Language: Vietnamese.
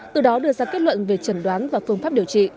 từ đó đưa ra kết luận về trần đoán và phương pháp điều trị